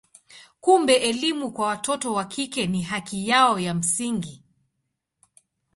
Kumbe elimu kwa watoto wa kike ni haki yao ya msingi.